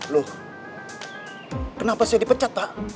loh kenapa saya dipecat pak